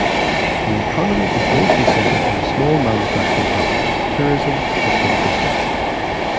The economy is mostly centered on a small manufacturing hub, tourism, and home construction.